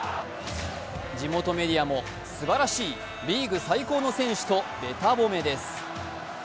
地元メディアもすばらしい、リーグ最高の選手とべた褒めです。